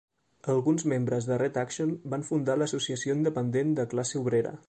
Alguns membres de Red Action van fundar l'Associació Independent de Classe Obrera.